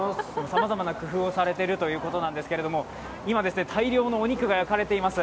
さまざまな工夫をされているということなんですけれども、今、大量のお肉が焼かれています。